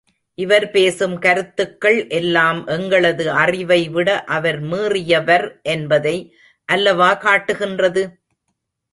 இவர் பேசும் கருத்துக்கள் எல்லாம் எங்களது அறிவை விட அவர் மீறியவர் என்பதை அல்லவா காட்டுகின்றது?